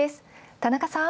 田中さん。